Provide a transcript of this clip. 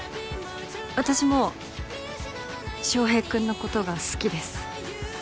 私も翔平君のことが好きです。